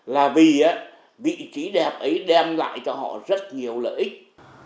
là vì vị trí đẹp ấy đem lại cho họ rất nhiều lợi ích